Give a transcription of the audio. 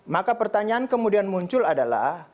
maka pertanyaan kemudian muncul adalah